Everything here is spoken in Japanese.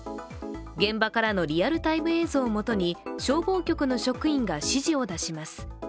現場からのリアルタイム映像をもとに消防局の職員が指示を出します。